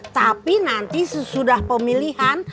tapi nanti sesudah pemilihan